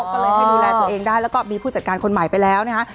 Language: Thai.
ก็เลยให้ดูแลตัวเองได้แล้วก็มีผู้จัดการคนใหม่ไปแล้วนะคะ